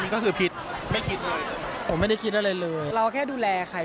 ก็คือคิดไม่คิดเลยผมไม่ได้คิดอะไรเลยเราแค่ดูแลใคร